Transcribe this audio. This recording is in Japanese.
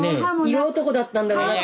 色男だったんだろうなって。